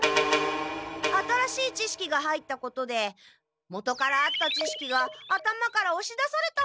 新しいちしきが入ったことで元からあったちしきが頭からおし出されたのかも。